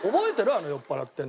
あの酔っ払ってるの。